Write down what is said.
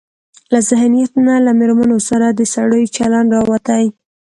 له ذهنيت نه له مېرمنو سره د سړيو چلن راوتى.